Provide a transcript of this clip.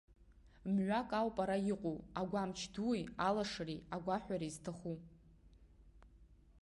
Мҩак ауп араҟа иҟоу, агәамч дуи, алшареи, агәаҳәареи зҭаху!